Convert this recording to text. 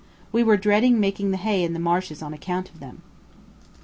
We were dreading making the hay in the marshes on account of them.